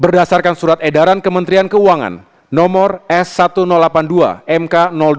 berdasarkan surat edaran kementerian keuangan nomor s seribu delapan puluh dua mk dua dua ribu dua puluh tiga